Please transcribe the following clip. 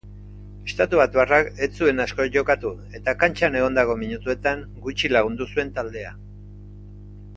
Estatubatuarrak ez zuen asko jokatu eta kantxan egondako minutuetan gutxi lagundu zuen taldea.